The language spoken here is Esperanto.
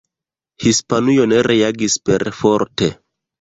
Hispanujo ne reagis perforte.